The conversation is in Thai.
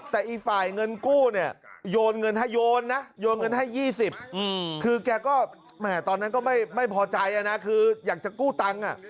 แต่อีกฝ่ายเงินกู้เนี่ยโยนเงินให้โยนนะโยนเงินให้๒๐คือแกก็แหมตอนนั้นก็ไม่พอใจนะคืออยากจะกู้ตังค์